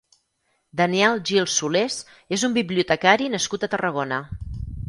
Daniel Gil Solés és un bibliotecari nascut a Tarragona.